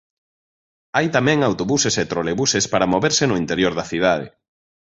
Hai tamén autobuses e trolebuses para moverse no interior da cidade.